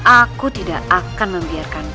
aku tidak akan membiarkan